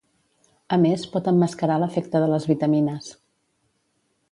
A més, pot emmascarar l'efecte de les vitamines.